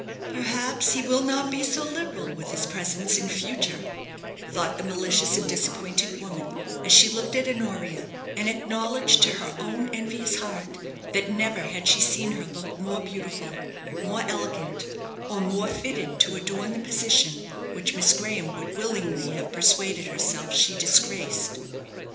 "Perhaps he will not be so liberal with his presents in future," thought the malicious and disappointed woman, as she looked at Honoria, and acknowledged to her own envious heart that never had she seen her look more beautiful, more elegant, or more fitted to adorn the position which Miss Graham would willingly have persuaded herself she disgraced.